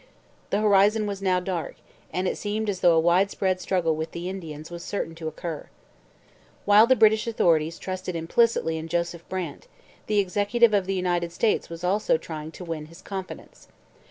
The horizon was now dark and it seemed as though a widespread struggle with the Indians was certain to occur. While the British authorities trusted implicitly in Joseph Brant, the executive of the United States was also trying to win his confidence.